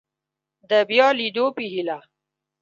د بیا لیدو په هیله